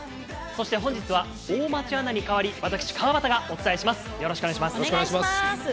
そして本日は大町アナに代わり、私、川畑がお伝えします。